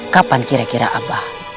kapan kira kira abah